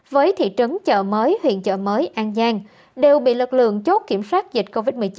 với thị trấn chợ mới huyện chợ mới an giang đều bị lực lượng chốt kiểm soát dịch covid một mươi chín